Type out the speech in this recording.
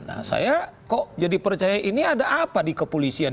nah saya kok jadi percaya ini ada apa di kepolisian